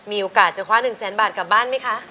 มีโอกาสจะคว้า๑๐๐๐๐๐บาทกลับบ้านมั้ยค่ะ